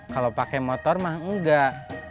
kalau pakai motor mah enggak